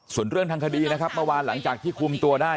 ส่วนเรื่องทางคดีนะครับเมื่อวานหลังจากที่คุมตัวได้